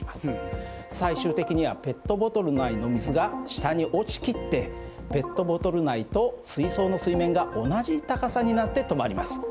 最終的にはペットボトル内の水が下に落ちきってペットボトル内と水槽の水面が同じ高さになって止まります。